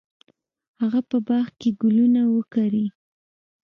هغه په باغ کې ګلونه وکري.